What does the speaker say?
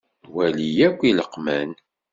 Wali akk ileqman.